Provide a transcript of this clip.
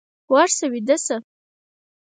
ورشه ويده شه!